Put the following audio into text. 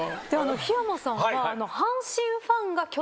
桧山さんは。